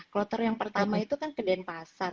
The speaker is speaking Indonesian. kloter yang pertama itu kan ke denpasar